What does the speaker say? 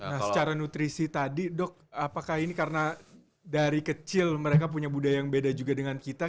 nah secara nutrisi tadi dok apakah ini karena dari kecil mereka punya budaya yang beda juga dengan kita